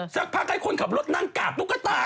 สักพักให้คนขับรถนั่งกาบตุ๊กตา